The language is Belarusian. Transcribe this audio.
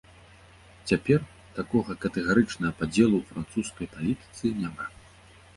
Цяпер такога катэгарычнага падзелу ў французскай палітыцы няма.